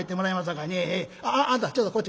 あんたちょっとこっち